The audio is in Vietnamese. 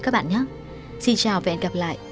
các bạn nhé xin chào và hẹn gặp lại